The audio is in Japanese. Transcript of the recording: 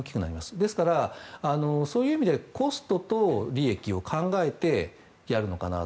ですから、そういう意味でコストと利益を考えてやるのかなと。